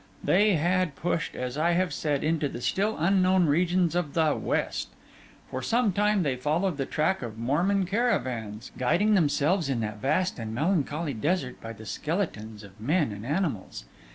They had pushed, as I have said, into the still unknown regions of the West. For some time they followed the track of Mormon caravans, guiding themselves in that vast and melancholy desert by the skeletons of men and animals.